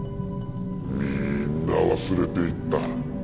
みんな忘れていった。